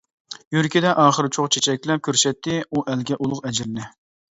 يۈرىكىدە ئاخىرى چوغ چېچەكلەپ، كۆرسەتتى ئۇ ئەلگە ئۇلۇغ ئەجرىنى.